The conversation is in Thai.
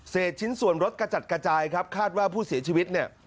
เสร็จชิ้นส่วนรถกระจัดกระจายครับคาดว่าผู้เสียชีวิต